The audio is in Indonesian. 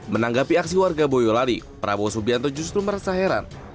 menanggapi aksi warga boyolali prabowo subianto justru merasa heran